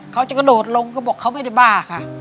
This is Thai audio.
เขาจะกระโดดลงก็บอกเขาไม่ได้บ้าค่ะ